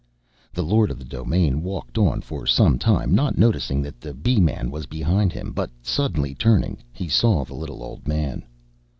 The Lord of the Domain walked on for some time, not noticing that the Bee man was behind him. But suddenly turning, he saw the little old man.